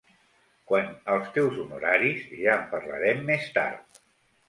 Quant als teus honoraris, ja en parlarem més tard.